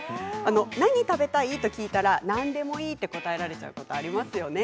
何食べたい？と聞いたら「なんでもいい」と答えられることがありますよね。